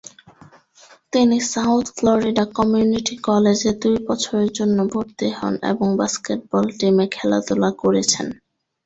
তিনি South Florida community কলেজে দুই বছরের জন্য ভর্তি হন এবং বাস্কেটবল টিমে খেলাধুলা করেছেন।